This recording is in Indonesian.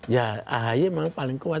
ya ahy memang paling kuat